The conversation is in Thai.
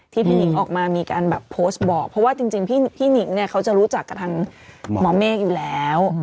พี่หนิงออกมามีการแบบโพสต์บอกเพราะว่าจริงพี่หนิงเนี่ยเขาจะรู้จักกับทางหมอเมฆอยู่แล้ว